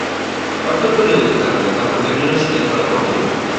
বার্ধক্যজনিত কারণে, তার খাদ্যের জন্য শিকার করা কঠিন।